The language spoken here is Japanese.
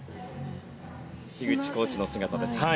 樋口コーチの姿です。